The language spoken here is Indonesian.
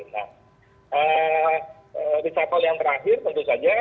nah risapel yang terakhir tentu saja